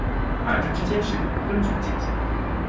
二者之间是两个分局的界线。